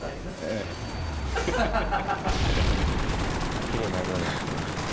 ああきれいな色になってきました。